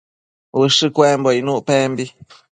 ushë cuembo icnuc pembi